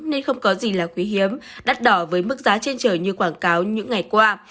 nên không có gì là quý hiếm đắt đỏ với mức giá trên trời như quảng cáo những ngày qua